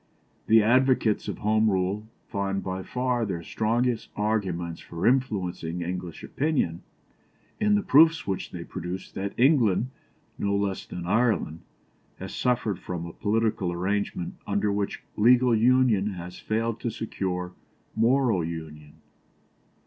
The advocates of Home Rule find by far their strongest arguments for influencing English opinion, in the proofs which they produce that England, no less than Ireland, has suffered from a political arrangement under which legal union has failed to secure moral union.